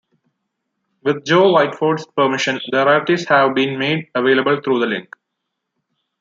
With Joe Whiteford's permission, the rarities have been made available through the link below.